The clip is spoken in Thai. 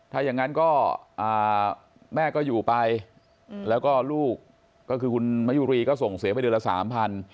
ถ้าอย่างนั้นก็แม่ก็อยู่ไปแล้วก็ลูกก็คือคุณมะยุรีก็ส่งเสียไปเดือนละสามพัน